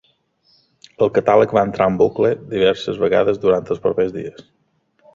El catàleg va entrar en bucle diverses vegades durant els propers dies.